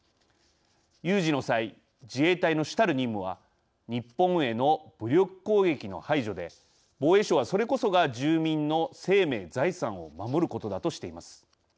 有事の際、自衛隊の主たる任務は日本への武力攻撃の排除で防衛省は、それこそが住民の生命・財産を守ることだとしています。